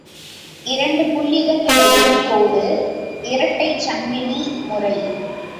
இரண்டு புள்ளிகள் இடையில் கோடு – இரட்டைச் சங்கிலி முறை.